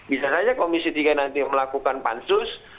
bisa saja komisi tiga nanti melakukan pansus